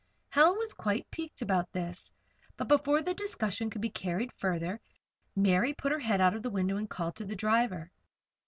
Helen was quite piqued by this. But before the discussion could be carried farther, Mary put her head out of the window and called to the driver.